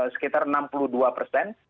sekitar enam puluh dua persen